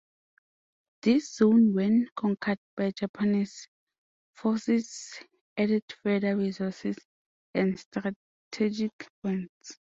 This zone when conquered by Japanese forces added further resources and strategic points.